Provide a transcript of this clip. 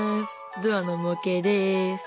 ドアの模型です。